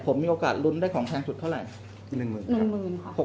ผมมีโอกาสลุ้นได้ของแทนสุดเท่าไรหนึ่งหมื่นครับหนึ่งหมื่นครับ